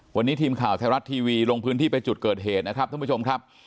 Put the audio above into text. วันนี้ทีมข่าวไทยรัฐทีวีลงพื้นที่ไปจุดเกิดเหตุนะครับท่านผู้ชมครับ